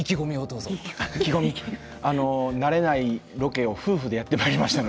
慣れないロケを夫婦でやってまいりました。